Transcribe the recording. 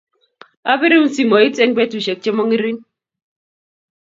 apirun simoit eng betushek che mo ngerink.